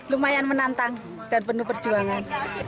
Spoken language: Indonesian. lumayan menantang dan penuh perjuangan